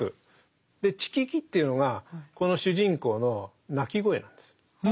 で「チキキ」というのがこの主人公の鳴き声なんです。